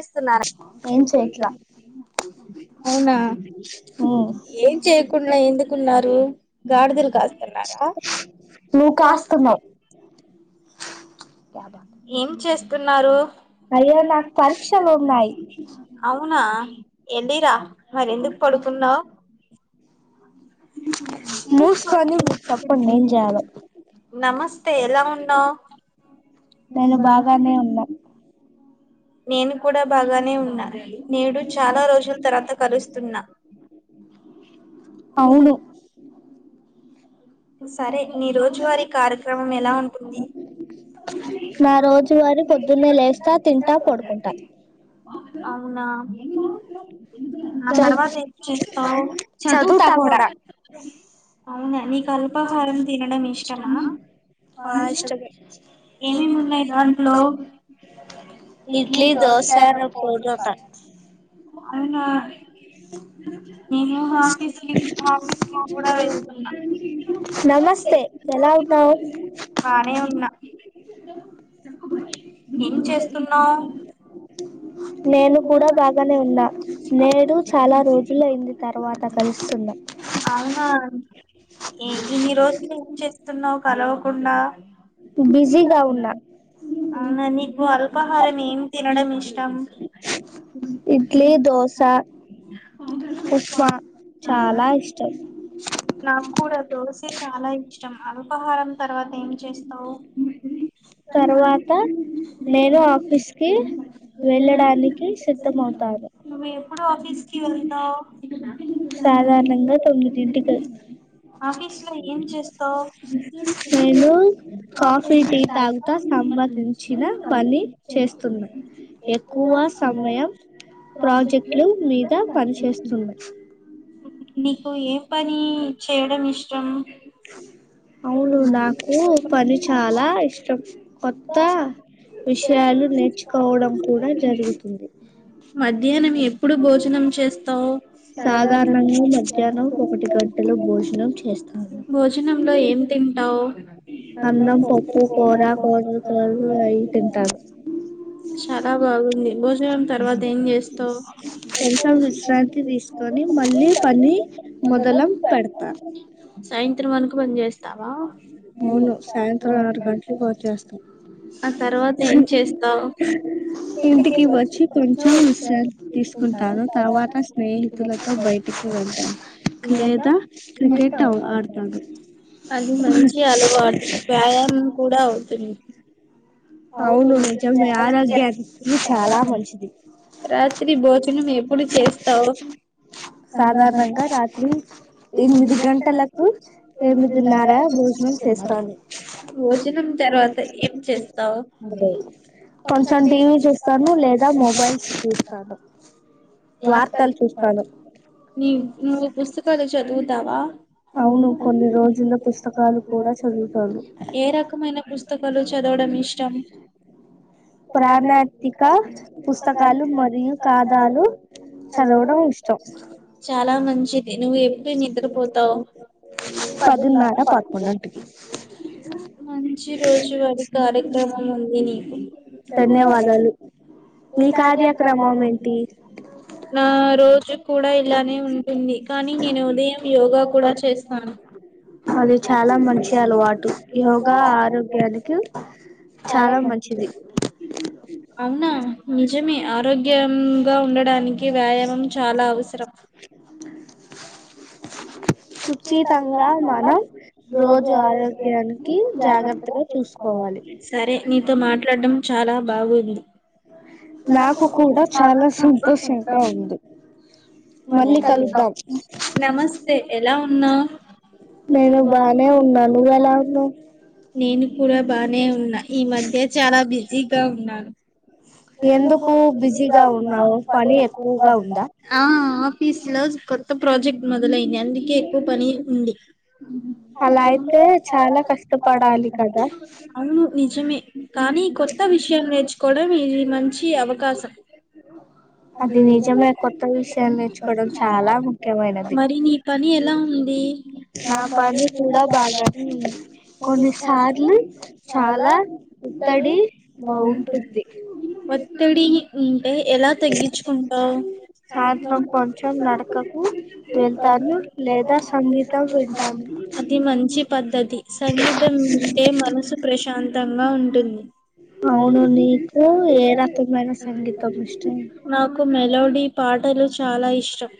ఇస్తున్నార అవునా ఏం చేయకుండా ఎందుకున్నారు గాడిదలు కాస్తున్నారా హ్మ్మ్ కాస్తున్నాం ఏం చేస్తున్నారు అయ్యో నాకు పరిక్ష పరీక్షలున్నాయ్ అవునా వెళ్లి రా మరి ఎందుకు పడుకున్నావ్ [inaudible] నమస్తే ఎలా ఉన్నావ్ నేను బాగానే ఉన్నా నేను కూడా బాగానే ఉన్నాను నేడు చాలా రోజుల తర్వాత కలుస్తున్నా సరే నీ రోజు వారి కార్యక్రమం ఎలా ఉంటుంది నా రోజు వారి పొద్దున్నే లేస్తా తింటా పడుకుంటా అవునా చ చదువుతా కూడా అవునా నీకు అనుపమా అంటే అంత ఇష్టమా ఆ ఇష్టమే ఏమేమి ఉన్నయి దాంట్లో ఇడ్లీ దోస పో అవునా [inaudible] నమస్తే నమస్తే ఎలా ఉన్నావ్ బానే ఉన్నా ఏం చేస్తున్నావు నేను కూడా బాగానే ఉన్నా నేను చాలా రోజులు అయింది తర్వాత కలుస్తున్నాం ఏ ఇన్ని రోజులు ఏం చేస్తున్నావు కలవకుండా బిజీగా ఉన్నా అవునా నీకు అల్పాహారం ఏం తినడం ఇష్టం ఇడ్లీ దోశ ఉప్మా చాలా ఇష్టం నాకు కూడా దోశ చాలా ఇష్టం అల్పహారం తర్వాత ఏం చేస్తావ్ చేస్తావు తర్వాత నేను ఆఫీస్ కి వెళ్ళడానికి సిద్ధ మ వుతాను నువ్వు ఎప్పుడు ఆఫీస్ కి వెళ్తావు ఆఫీస్లో ఏం చేస్తావ్ కాఫీ టీ తాగుత సంబందించిన పని చేస్తున్నా ఎక్కువ సమయం ప్రాజెక్టులు మీద పని చేేస్తున్నా నీకు ఏం పని చేయడం ఇష్టం అవును నాకు పని చాలా ఇష్టం కొత్త విషయాలు నేర్చుకోవడం కూడా జరుగుతుంది సాధారణంగా మధ్యాహ్నం ఒకటి గంటలు భోజనం చేస్తాను అన్నం పప్పు కూర కూరలు కర అయి తింటారు చాలా బాగుంది భోజనం తర్వాత ఏం చేస్తావు [unintelligible] విశ్రాంతి తీసుకొని మళ్ళీ పని మొదలం పెడతా ఔను సాయంత్రం ఆరు గంటల వచ్చేస్తాం ఆ తర్వాత ఏం చేస్తావ్ ఇంటికి వచ్చి కొంచెం విశ్రాంతి తీసుకుంటావ తర్వాత స్నేహితులతో బయటికి లే లేదా క్రికెట్ ఆడత అది మంచి అలవాటు వ్యాయామం కూడా అవుతుంది అవును [unintelligible] చాలా మంచి రాత్రి భోజనం ఎప్పుడు చేస్తావు సాధారణంగా రాత్రి ఎనిమిది గంటలకు ఎనిమిదిన్నర భోజనం చేస్తాను భోజనం తర్వాత ఏం చేస్తావు కొంచెం టీవీ చూస్తాను లేదా మొబైల్స్ చూస్తాను వార్తలు చూస్తాను నీ నువ్వు పుస్తకాలు చదువుతావా ఏ రకమైన పుస్తకాలు చదవడం ఇష్టం అన్ ప్రాణథిక పుస్తకాలు మరియు కాధలూ చాలా మంచిది నువ్వు ఎప్పుడు నిద్రపోతావ్ పదిన్నర పదకొండు మంచి రోజు వెతకాలే ఉంది [unintelligible] నీకు ధన్యవాదాలు ఇ కార్యక్రమం ముగిసింది నా రోజు కూడా ఇలానే ఉంటుంది కానీ నేను ఉదయం యోగా కూడా చేస్తాను అది చాలా మంచి అలవాటు యోగా ఆరోగ్యానికి సరేలే అవునా నిజమే ఆరోగ్యంగ ఉండడా కి వ్యాయామం చాలా అవసరం సుచితంగా మనం రోజు ఆరోగ్యానికి జాగ్రత్తగా చూసుకో సరే నీతో మాట్లాడడం చాలా బాగోదు నాకు కూడా చాలా సంతోషంగా ఉంది మళ్ళీ కలుద్దాం నమస్తే ఎలా ఉన్నావ్ నేను బానే ఉన్నా నువ్వు ఎలా ఉన్నావ్ నేను కూడా బానే ఉన్నా ఈ మధ్య చాలా బిజీగా ఉన్నాను ఎందుకు బిజీగా ఉన్నావ్ పని ఎక్కువగా ఉందా ఆ ఆఫీసు లో కొత్త ప్రాజెక్ట్ మొదలేండి ఎక్కువ పని ఉంది అలా అయితే చాలా కష్టపడాలి కదా అవును నిజమే కానీ కొత్త విషయం నేర్చుకోవడం ఇది మంచి అవకాశం మరీ పని ఎలా ఉంది కొన్నిసార్లు చాల తడి బాగుంటుంది ఒత్తిడి ఉంటే ఎలా తగ్గించుకుంటావు వెళ్తాను సంగీతం వింటాను మనసు ప్రశాంతంగ ఉంటుంది నాకు మెలోడీ పా టలు చాల ఇష్టం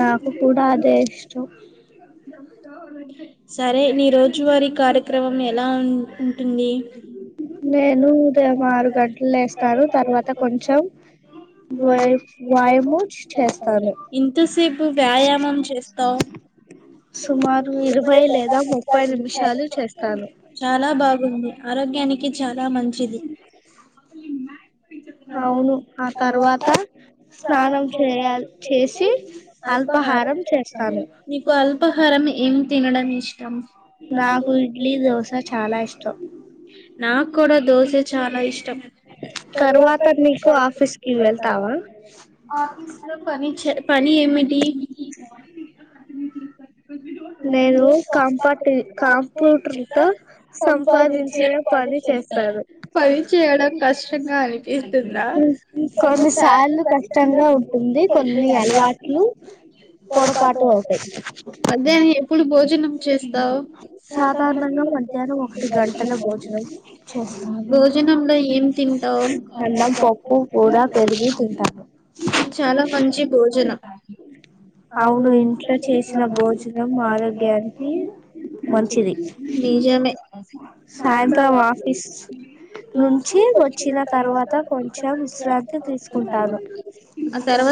నాకు కూడ అదే [unintelligible] సరే నీ రోజు వారి కార్యక్రమం ఎలా ఉంటుంది నేను ఉదయం ఆరు గంటలు లేస్తాను తర్వాత కొంచెం [unintelligible] చేస్తాను నువు వ్యాయామం చేస్తావు చాల బాగుంది ఆరోగ్యానికి చాల మంచిది అవును ఆ తర్వాత స్నానం చేయాలి చేసి అల్పాహారం చేస్ నీకు అల్పాహారం ఏమి తినడం ఇష్టం నాకు ఇడ్లీ దోశ చాలా ఇష్టం నాకు కూడ దోశ చాల ఇష్టం [inaudible] ఆఫీస్ లో పని పని ఏమిటి క నేను కాంపటి కాంప్యూటర్ తో సంపాదించే పని చేస్త కొన్ని సార్లు కష్టం గా ఉంటుంది కొన్ని అలవాట్లు పొడపాటు [unintelligible] ఎప్పుడు భోజనం చేస్తావు భోజనం లో ఎం తిం టవు చాల మంచి భోజనం అవును ఇంట్లో చేసిన భోజనం ఆరోగ్యానికి మంచిది సాయంత్రం ఆఫీస్ నుంచి వచ్చిన తర్వాత కొంచెం విశ్రాంతి తీసుకుంటాను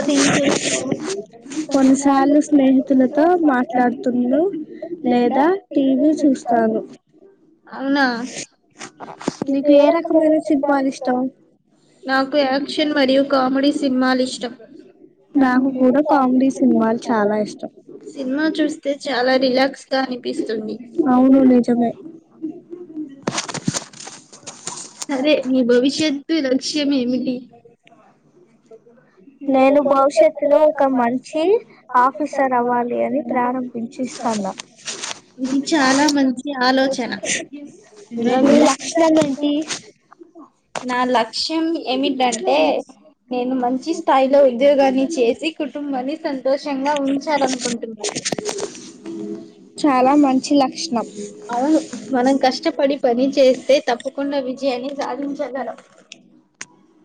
[unintelligible] చాల స్నేహితులతో మా మాట్లాడుతును లేదా టీవీ చూస్తాను అవున [unintelligible] నాకు యాక్షన్ మరియు కామెడీ సినిమాలు ఇష్టం సినిమా చూ [unintelligible] చాలా రిలాక్స్ గా అనిపిస్తుంది స సరే మీ భవిష్యత్తు లక్ష్యం ఏమిటి నేను భవిష్యత్తులో ఒక మంచి ఆఫీసర్ అవ్వాలి [unintelligible] ఇది చాల మంచి ఆలోచన [unintelligible] నా లక్ష్యం ఏమిటంటే నేను మంచి స్థాయిలో ఉద్యోగాన్ని చేసి కుటుంబాన్ని సంతోషంగా ఉంచాలనుకుంటున్నా చాలా మంచి ల అవును మనం కష్టపడి పని చేస్తే తప్పకుండా విజయాన్ని సాధించగలం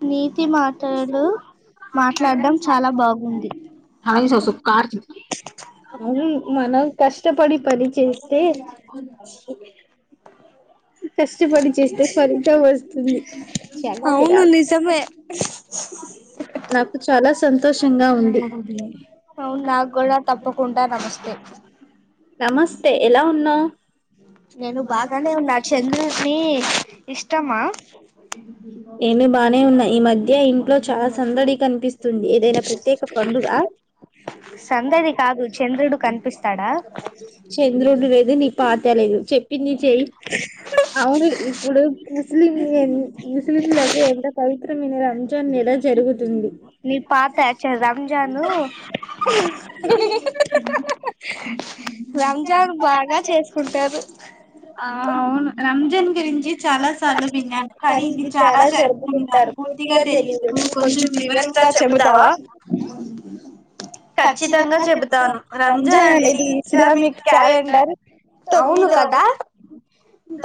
నీతి మాటలు మాట్లాడడం చాలా బాగుంది హయ్ జోసెఫ్ కార్జు కష్టపడి పని చేస్తే అవును నిజమే నాకు చాలా సంతోషంగా ఉంది అవును నాగూడా తప్పకుండా నమస్తే నమస్తే ఎలా ఉన్నావ్ నేను బాగానే ఉన్నా చంద్రుని ఇష్టమా ఏమి బానే ఉన్నాయ్ ఈ మధ్యే ఇంట్లో చాలా సందడి కనిపి పిస్తుంది ఏదైనా ప్రత్యేక పండుగ సందడి కాదు చంద్రుడు కనిపిస్తాడా చంద్రుడు లేదు నీ పాత లేదు చెప్పిందీ చెయ్ అవును ఇప్పుడు ముస్లిం ఎ ముస్లింలకు ఎంత పవిత్రమైన రంజాన్ ఎలా జరుగుతుంది నీ పాతాచే రంజాను రంజాన్ బాగా చేసుకుంటారు జాన్ గురించి ఇది చాలా సార్లు విన్నాను కానీ ఇది చాలా జరుపుకుంటారు పూర్తిగా తెలీదు నువ్వు కొంచెం వివర రంగా చెపుతావా ఖచ్చితంగా చేప్తాం రంజాన్ అనేది ఇస్లామిక్ క్యాలెండర్ తొమ్మిదొవా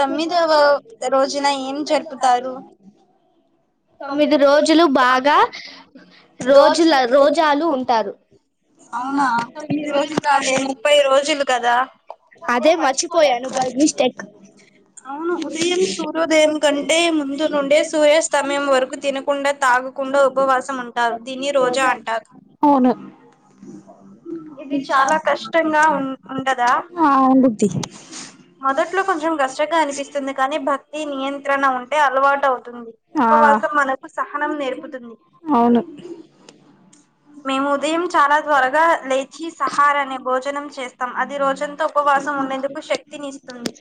తొమ్మిదోవా రోజున ఏం జరుపుతారు తొమ్మిది రోజులు బాగా రోజుల రోజాలు ఉంటారు అవునా తొమ్మిది రోజులు కాదే ముప్పై రోజులు కదా అదే మర్చిపోయాను బైమిస్టేక్ అవును ఉదయం సూర్యోదయం కంటే ముందు నుండే సూర్యస్త సమయం వరకు తినకుండా తాగకుండా ఉపవాసం ఉంటారు దీన్ని రోజా అంటారు అవును ఆ ఉండ్డిది మొదట్లో కొంచెం కష్టంగా అనిపిస్తుంది కానీ భక్తి నియంత్రణ ఉంటే అలవాటు అవుతుంది ఉపవాసం మనకు సహనం నేర్పుతుంది అవును మేము ఉదయం చ త్వరగా లేచి సహార్ అనే భోజనం చేస్తాం అది రోజంత ఉపవాసం ఉండేందుకు శక్తిని ఇస్త తొమ్మిది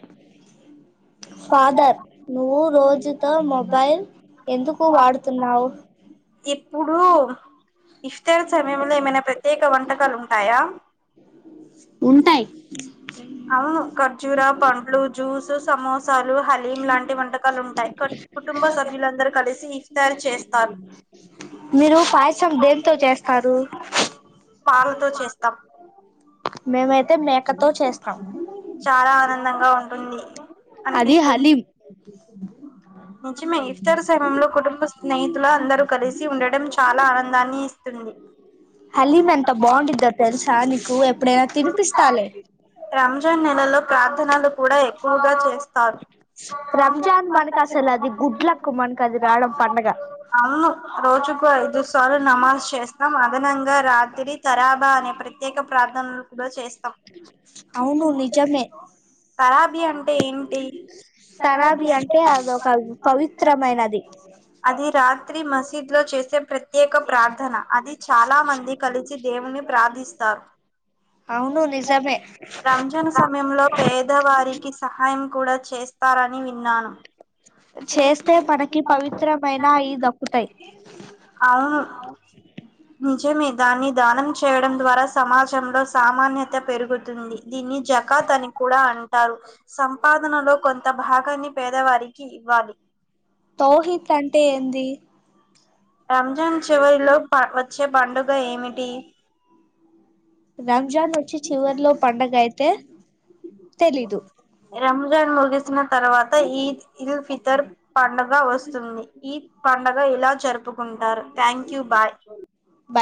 ఫాదర్ నువ్వు రోజుతో మొబైల్ ఎందుకు వాడుతున్నావు ఇప్పుడు ఇఫ్తార్ సమయంలో ఏమైనా ప్రత్యేక వంటకాలుంటాయా ఉంటాయ్ అవును ఖర్జూర పండ్లు జ్యూసు సమోసాలు హలీం లాంటి వంటకాలు ఉంటాయ్ క్ కుటుంబ సభ్యులందరు కలిసి ఇఫ్తారి చేస్తారు మీరు పాయసం దేంతో చేస్తారు మేమైతే మేకతో చేస్తాం చాలా ఆనందంగా ఉంటుంది అనిపిస్తుంది నిజమే ఇఫ్తర్ సమయంలో కుటుంబ స్నేహితులు అందరూ కలిసి ఉండడం చాలా ఆనంద హలీం ఎంత బాగుండిద్దో తెలుసా నీకు ఎప్పుడైనా తినిపిస్తాలే రంజాన్ నెలలో ప్రార్థనలు కూడా ఎక్కువగా చేస్తారు అవును రోజ ఐదు సార్లు నమాజ్ చేస్తాం అదనంగా రాత్రీ తరి తరాబా అనే ప్రత్యేక ప్రార్థనలు కూడా చేస్తాం అవును నిజమే తరాబి అంటే ఏంటి తరబి అంటే పవిత్రమైన అది రాత్రి మసి ఇలో చేసే ప్రతి ప్రత్యేక ప్రార్థన అది చాలా మంది కలిసి దేవుణి ప్రార్థిస్తారు అవును నిజమే రంజాన్ సమయంలో పేదవా రికి సహాయం కూడా చేస్తారని విన్నాను. అవును [inaudible] నిజమే దాన్ని దానం చేయడం ద్వారా సమాజంలో సామాన్యత పెరుగుతుంది దీన్ని జకాత్ అని కూడా అంటారు సంపాదనలో కొంత భాగాన్ని పేదవారి కి ఇవ్వాలి రంజాన్ చివరిలో వచ్చే పండుగ ఏమిటి రంజాన్ వచ్చి చివరిలో పండగ అయితే తెలీదు రంజాన్ ముగిసిన తర్వాత ఈద్ ఇల్ ఫితర్ పండుగ వస్తుంది ఈ పండగ ఇలా జరుపుకుంటారు థ్యాంక్ యూ బాయ్